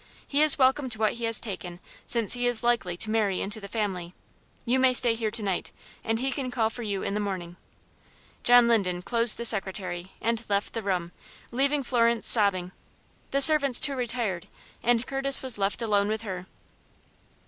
He is welcome to what he has taken, since he is likely to marry into the family. You may stay here to night, and he can call for you in the morning." John Linden closed the secretary, and left the room, leaving Florence sobbing. The servants, too, retired, and Curtis was left alone with her.